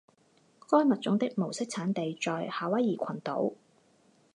该物种的模式产地在夏威夷群岛。